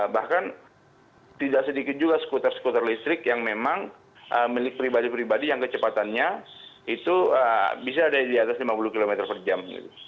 bahkan tidak sedikit juga skuter skuter listrik yang memang milik pribadi pribadi yang kecepatannya itu bisa ada di atas lima puluh km per jam